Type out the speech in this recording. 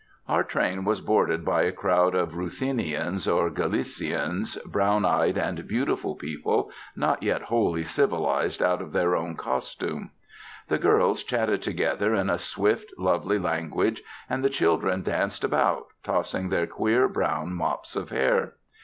Our train was boarded by a crowd of Ruthenians or Galicians, brown eyed and beautiful people, not yet wholly civilised out of their own costume. The girls chatted together in a swift, lovely language, and the children danced about, tossing their queer brown mops of hair.